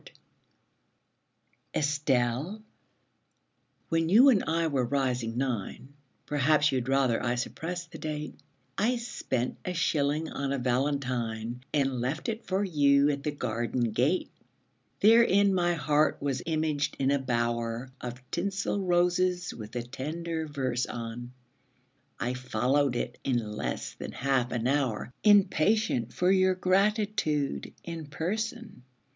] ESTELLE, when you and I were rising nine Perhaps you'd rather I suppressed the date I spent a shilling on a valentine And left it for you at the garden gate. Therein my heart was imaged in a bower Of tinsel roses, with a tender verse on ; I followed it in less than half an hour Impatient for your gratitude in person.